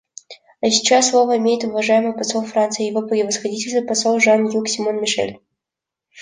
А сейчас слово имеет уважаемый посол Франции — Его Превосходительство посол Жан-Юг Симон-Мишель.